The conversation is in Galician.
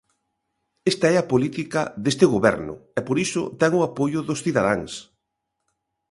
Esta é a política deste goberno e por iso ten o apoio dos cidadáns.